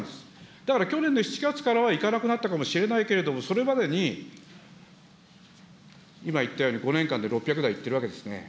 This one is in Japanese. だから去年の７月からはいかなくなったかもしれないけれども、それまでに、今言ったように５年間で６００台行ってるわけですね。